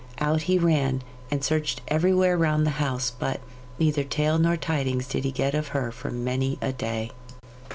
Out he ran, and searched everywhere round the house but, neither tale nor tidings did he get of her for many a day.